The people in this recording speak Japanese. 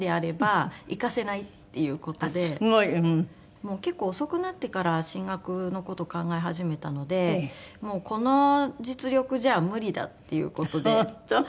もう結構遅くなってから進学の事を考え始めたのでもうこの実力じゃ無理だっていう事で。